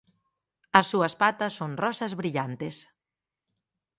As súas patas son rosas brillantes.